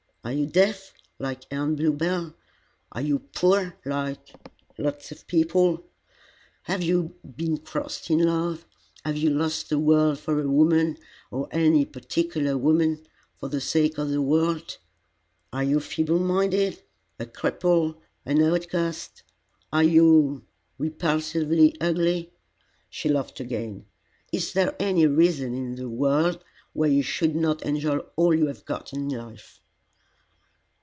Are you deaf, like Aunt Bluebell? Are you poor, like lots of people? Have you been crossed in love? Have you lost the world for a woman, or any particular woman for the sake of the world? Are you feeble minded, a cripple, an outcast? Are you repulsively ugly?" She laughed again. "Is there any reason in the world why you should not enjoy all you have got in life?"